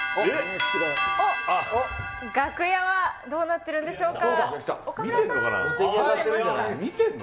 あっ、楽屋はどうなってるんでしょうか。